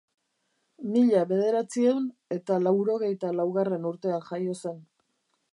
Mila bederatziehun eta laurogeita laugarren urtean jaio zen.